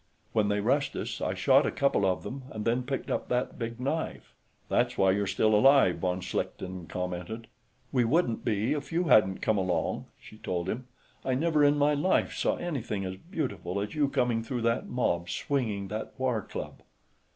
When they rushed us, I shot a couple of them, and then picked up that big knife...." "That's why you're still alive," von Schlichten commented. "We wouldn't be if you hadn't come along," she told him. "I never in my life saw anything as beautiful as you coming through that mob swinging that war club!"